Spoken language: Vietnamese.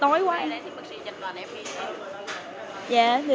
trong xe tối quá